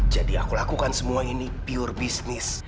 jadi aku lakukan semua ini pure bisnis